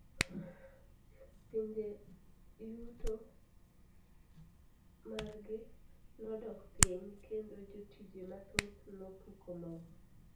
Pinje yuto margi nodok piny kendo jotije mathoth nopuko mogo.